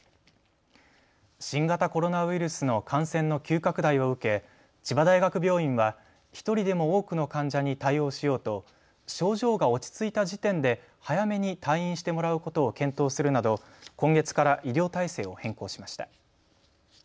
新型コロナウイルスの感染の急拡大を受け千葉大学病院は１人でも多くの患者に対応しようと症状が落ち着いた時点で早めに退院してもらうことを検討するなど今月から医療体制を変更しました。